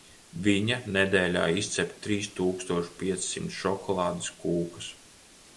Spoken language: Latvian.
Viņa nedēļā izcep trīs tūkstoš piecsimt šokolādes kūkas.